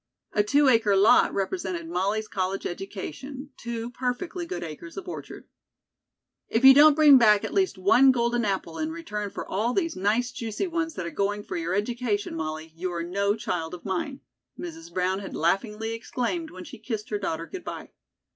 A two acre lot represented Molly's college education two perfectly good acres of orchard. "If you don't bring back at least one golden apple in return for all these nice juicy ones that are going for your education, Molly, you are no child of mine," Mrs. Brown had laughingly exclaimed when she kissed her daughter good bye.